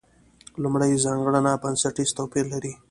لومړۍ ځانګړنه بنسټیز توپیر لري.